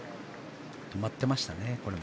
止まってましたねこれも。